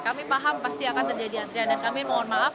kami paham pasti akan terjadi antrian dan kami mohon maaf